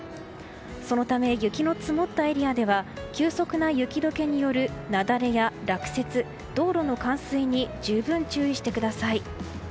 そのため雪の積もったエリアでは急速な雪解けによる雪崩や落雪、道路の冠水に十分注意してください。